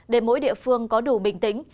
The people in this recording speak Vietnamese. để mỗi địa phương có đủ bình tĩnh